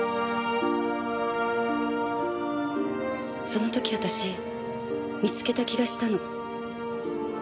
その時私見つけた気がしたの。